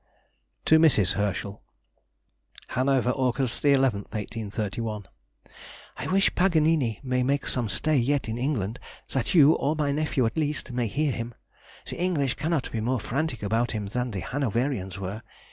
TO MRS. HERSCHEL. HANOVER, August 11, 1831. ... I wish Paganini may make some stay yet in England, that you, or my nephew at least, may hear him. The English cannot be more frantic about him than the Hanoverians were.